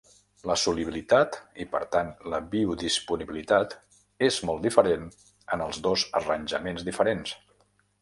La solubilitat i, per tant, la biodisponibilitat és molt diferent en els dos arranjaments diferents.